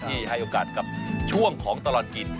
ให้โอกาสกับช่วงของตลอดกิน